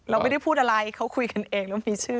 เราไม่ได้พูดอะไรเขาคุยกันเองแล้วมีชื่อ